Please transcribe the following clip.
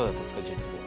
術後。